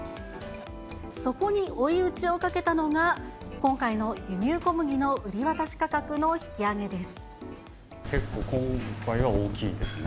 そこに追い打ちをかけたのが、今回の輸入小麦の売り渡し価格の結構、今回は大きいですね。